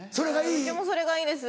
うちもそれがいいです。